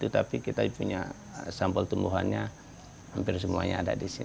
tapi kita punya sampel tumbuhannya hampir semuanya ada di sini